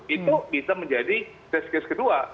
itu bisa menjadi test case kedua